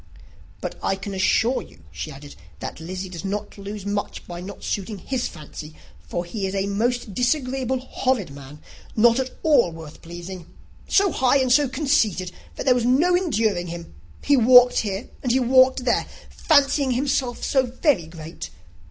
"But I can assure you," she added, "that Lizzy does not lose much by not suiting his fancy; for he is a most disagreeable, horrid man, not at all worth pleasing. So high and so conceited, that there was no enduring him! He walked here, and he walked there, fancying himself so very great!